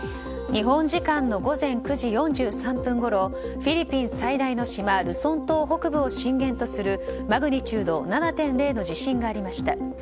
日本時間午前９時４３分ごろフィリピン最大の島ルソン島北部を震源とするマグニチュード７．０の地震がありました。